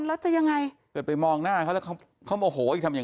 แล้วจะยังไงเกิดไปมองหน้าเขาแล้วเขาโมโหอีกทำอย่าง